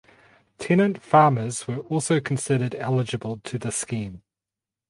Tenant farmers were also considered eligible to the scheme.